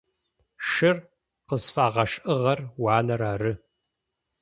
Шыр къызфэгъэшӏыгъэр уанэр ары.